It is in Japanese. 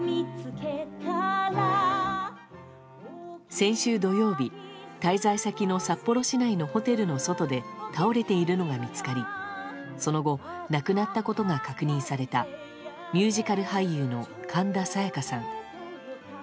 先週土曜日滞在先の札幌市内のホテルの外で倒れているのが見つかりその後亡くなったことが確認されたミュージカル俳優の神田沙也加さん。